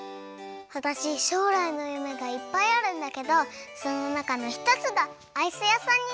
わたししょうらいのゆめがいっぱいあるんだけどそのなかのひとつがアイス屋さんになることなの。